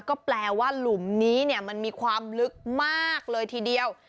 ก็แปลว่าหลุมนี้มันมีความลึกมากเลยทีเดียว